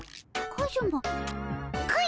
カズマ！